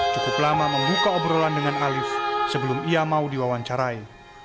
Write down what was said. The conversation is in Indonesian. cukup lama membuka obrolan dengan alif sebelum ia mau diwawancarai